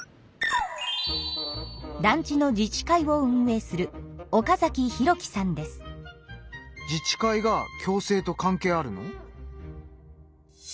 団地の自治会を運営する自治会が共生と関係あるの？